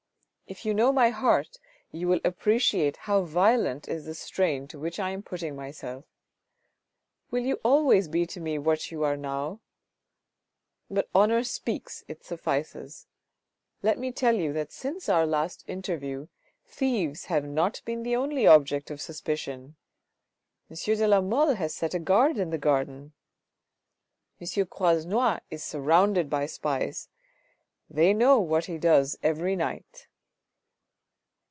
If you know my heart you will appreciate how violent is the strain to which I am putting myself. Will you always be to me what you are now ? But honour speaks, it suffices. Let me tell you that since our last interview, thieves have not been the only object of suspicion. M. de la Mole has set a guard in the garden. M. Croisenois is surrounded by spies : they know what he does every night."